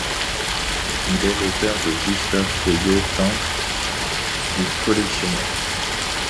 Il est le père de Gustave Fayet, peintre et collectionneur.